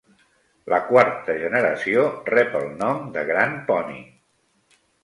La quarta generació rep el nom de "Grand Pony".